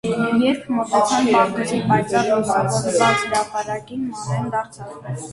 Երբ մոտեցան պարտեզի պայծառ լուսավորված հրապարակին, Մանեն դարձավ: